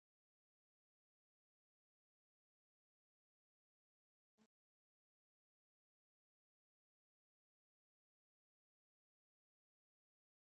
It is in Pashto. ژبه د پوهې لېږد ساده کوي